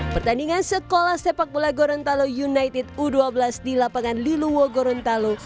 pertandingan sekolah sepak bola gorontalo united u dua belas di lapangan liluwo gorontalo